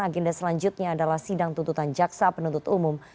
agenda selanjutnya adalah sidang tuntutan jaksa penuntut umum